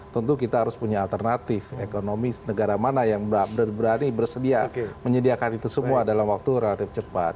tentu kita harus punya alternatif ekonomi negara mana yang berani bersedia menyediakan itu semua dalam waktu relatif cepat